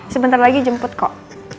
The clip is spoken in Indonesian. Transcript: sebentar lagi jemput kok